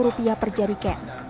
rp dua puluh per jari kek